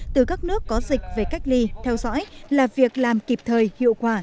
từ các nước có dịch về cách ly theo dõi là việc làm kịp thời hiệu quả